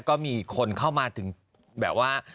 ก็มีคนเข้ามาถึงแบบว่า